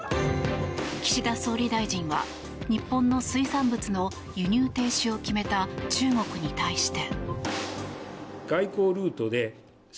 岸田総理大臣は日本の水産物の輸入停止を決めた中国に対して。